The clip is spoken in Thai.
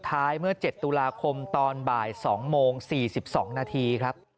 ท้ายเมื่อ๗ตุลาคมตอนบ่าย๒โมง๔๒นาที